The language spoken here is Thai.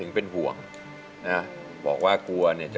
เพลงที่๑มูลค่า๑๐๐๐๐บาท